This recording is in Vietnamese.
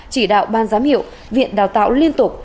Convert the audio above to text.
chỉ đạo ban giám hiệu viện đào tạo liên tục